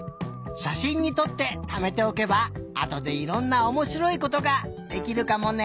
しゃしんにとってためておけばあとでいろんなおもしろいことができるかもね。